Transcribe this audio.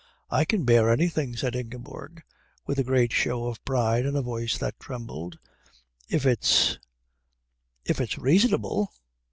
"I can bear anything," said Ingeborg, with a great show of pride and a voice that trembled, "if it's if it's reasonable."